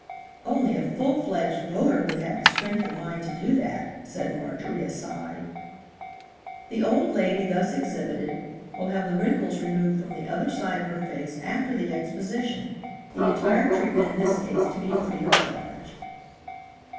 "Only a full fledged voter would have the strength of mind to do that," said Marjorie aside. "The old lady thus exhibited will have the wrinkles removed from the other side of her face after the Exposition, the entire treatment in this case to be free of charge."